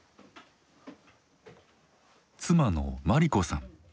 妻の末利子さん。